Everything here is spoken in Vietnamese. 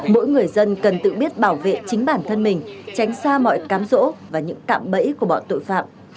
mỗi người dân cần tự biết bảo vệ chính bản thân mình tránh xa mọi cám rỗ và những cạm bẫy của bọn tội phạm